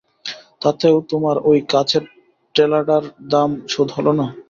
তাতেও তোমার ঐ কাঁচের ঢেলাটার দাম শোধ হল না?